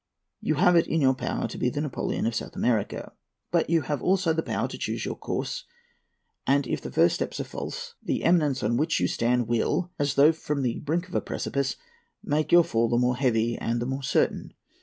You have it in your power to be the Napoleon of South America; but you have also the power to choose your course, and if the first steps are false, the eminence on which you stand will, as though from the brink of a precipice, make your fall the more heavy and the more certain.